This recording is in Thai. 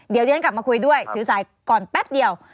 เดี๋ยวดิฉันกลับมาคุยด้วยถือสายก่อนแป๊บเดียว